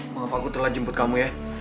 maaf aku telah jemput kamu ya